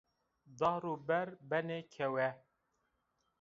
Dar û ber benê kewe.